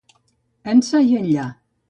Ençà i enllà.